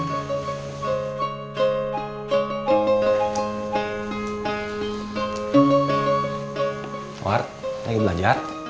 edward lagi belajar